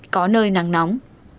có nơi nắng nóng